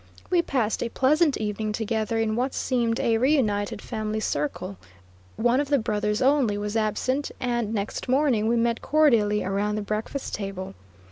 We passed a pleasant evening together in what seemed a re united family circle one of the brothers only was absent and next morning we met cordially around the breakfast table.